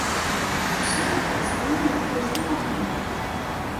Jsou také snadné na údržbu a výměnu.